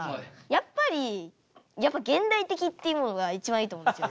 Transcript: やっぱりやっぱ現代的っていうものが一番いいと思うんですよ。